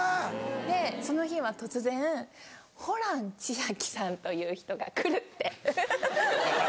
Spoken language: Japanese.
でその日は突然ホラン千秋さんという人が来るってフフフフ！